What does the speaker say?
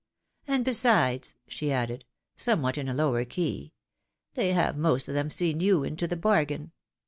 And besides," she added, somewhat in a lower key, " they have most of them seen you into the bargain."